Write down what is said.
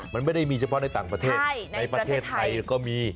มันไม่ได้มีเฉพาะในต่างประเทศในประเทศไทยก็มี